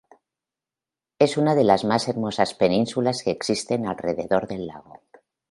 Es una de las más hermosas penínsulas que existen alrededor del lago.